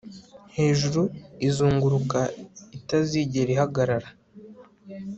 hejuru izunguruka itazigera ihagarara